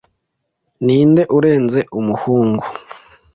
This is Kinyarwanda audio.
Ninde urenze umuhungu